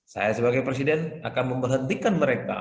saya sebagai presiden akan memberhentikan mereka